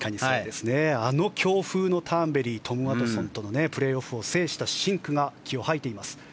あの強風のターンベリートム・ワトソンとの勝負を制したシンクが今日、３位に入っています。